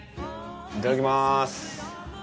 いただきます。